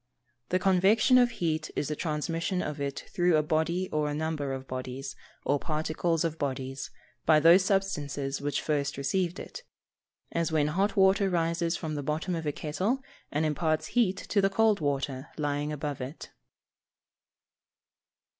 _ The convection of heat is the transmission of it through a body or a number of bodies, or particles of bodies, by those substances which first received it; as when hot water rises from the bottom of a kettle and imparts heat to the cold water lying above it.